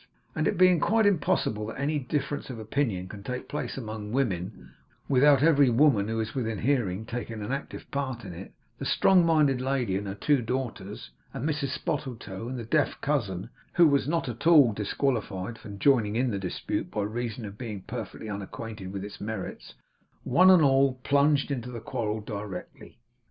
And it being quite impossible that any difference of opinion can take place among women without every woman who is within hearing taking active part in it, the strong minded lady and her two daughters, and Mrs Spottletoe, and the deaf cousin (who was not at all disqualified from joining in the dispute by reason of being perfectly unacquainted with its merits), one and all plunged into the quarrel directly.